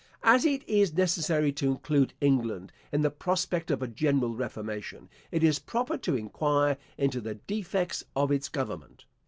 As it is necessary to include England in the prospect of a general reformation, it is proper to inquire into the defects of its government.